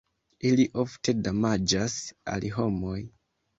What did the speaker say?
Ili ofte damaĝas al homoj.